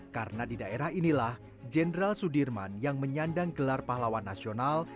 karena di daerah inilah jenderal sudirman yang menyandang gelar pahlawan nasional